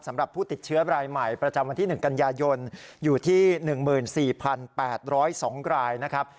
สำหรับผู้ติดเชื้อรายใหม่ประจำวันที่หนึ่งกันยายนอยู่ที่หนึ่งหมื่นสี่พันแปดร้อยสองรายนะครับ